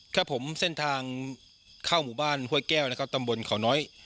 ครับผมเส้นทางเข้าหมู่บ้านห้วยแก้วนะครับตำบลเขาน้อย